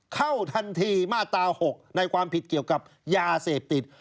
เข้าทันทีมาตรา๖ในความผิดเกี่ยวกับยาเสพติด